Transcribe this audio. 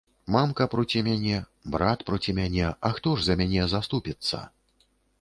Мамка проці мяне, брат проці мяне, а хто ж за мяне заступіцца?